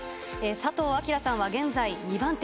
左藤章さんは現在２番手。